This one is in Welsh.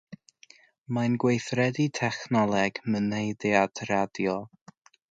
Mae'n gweithredu technoleg mynediad radio.